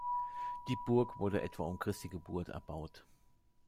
Die Burg wurde etwa um Christi Geburt erbaut.